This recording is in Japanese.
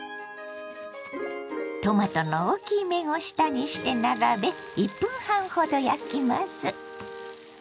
トマトの大きい面を下にして並べ１分半ほど焼きます。